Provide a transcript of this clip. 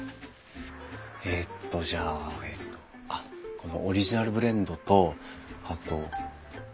えっとじゃあこのオリジナルブレンドとあと。